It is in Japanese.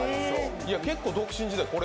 いや結構独身時代